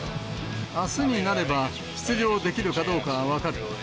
あすになれば、出場できるかどうか分かる。